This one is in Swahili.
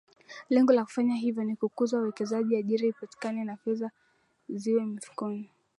Lengo la kufanya hivyo ni kukuza uwekezaji ajira ipatikane na fedha ziwepo mifukoni